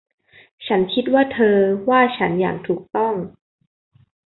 ฉันคิดว่าเธอว่าฉันอย่างถูกต้อง